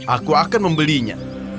aku akan membelinya